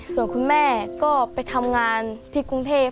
ส่วนคุณแม่ก็ไปทำงานที่กรุงเทพ